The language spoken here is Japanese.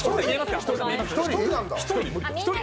１人？